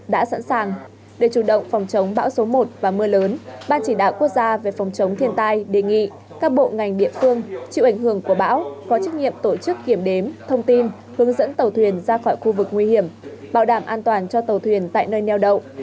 đã sẵn sàng để chủ động phòng chống bão số một và mưa lớn ban chỉ đạo quốc gia về phòng chống thiên tai đề nghị các bộ ngành địa phương chịu ảnh hưởng của bão có trách nhiệm tổ chức kiểm đếm thông tin hướng dẫn tàu thuyền ra khỏi khu vực nguy hiểm bảo đảm an toàn cho tàu thuyền tại nơi neo đậu